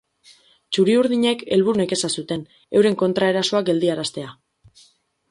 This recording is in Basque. Txuri-urdinek helburu nekeza zuten, euren kontraerasoak geldiaraztea.